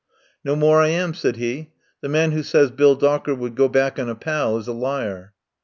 "No more I am," said he. "The man who says Bill Docker would go back on a pal is a liar."